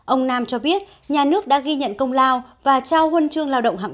ông nam cho biết nhà nước đã ghi nhận công lao và trao huân chương lao động hạng ba